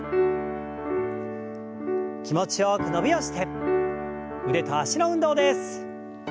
気持ちよく伸びをして腕と脚の運動です。